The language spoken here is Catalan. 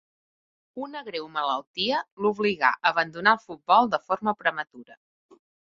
Una greu malaltia l'obligà a abandonar el futbol de forma prematura.